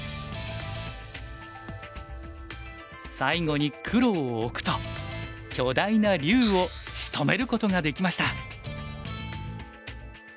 最後に黒を置くと巨大な龍をしとめることができました。